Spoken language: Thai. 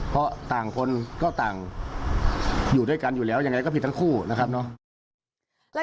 เพราะต่างคนก็ต่างอยู่ด้วยกันอยู่แล้วยังไงก็ผิดทั้งคู่นะครับเนาะ